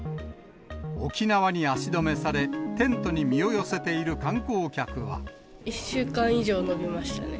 沖縄に足止めされ、１週間以上延びましたね。